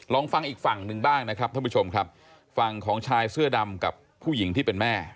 ลองฟังอีกฝั่งหนึ่งบ้างนะครับท่านผู้ชมครับฝั่งของชายเสื้อดำกับผู้หญิงที่เป็นแม่